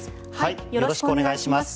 よろしくお願いします。